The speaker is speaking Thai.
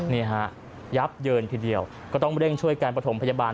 นี่ฮะยับเยินทีเดียวก็ต้องเร่งช่วยการประถมพยาบาล